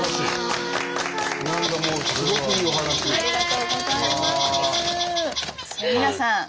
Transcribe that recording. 何かもうすごくいいお話。